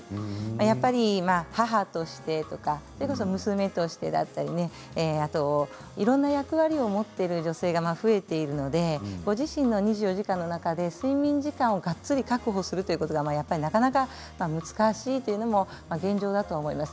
やっぱり母としてとか娘としてだったりいろんな役割を持っている女性が増えているのでご自身のに２４時間の中で睡眠時間をがっつり確保するというのがなかなか難しいというのも現状だと思います。